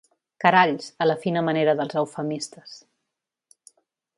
Caralls, a la fina manera dels eufemistes.